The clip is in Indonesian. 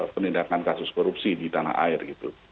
penindakan kasus korupsi di tanah air gitu